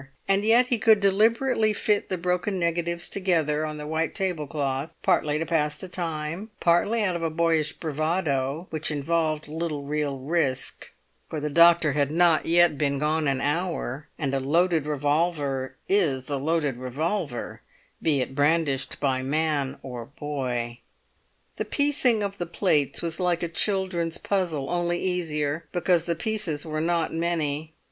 And yet he could deliberately fit the broken negatives together, on the white tablecloth, partly to pass the time, partly out of a boyish bravado which involved little real risk; for the doctor had not yet been gone an hour; and a loaded revolver is a loaded revolver, be it brandished by man or boy. The piecing of the plates was like a children's puzzle, only easier, because the pieces were not many.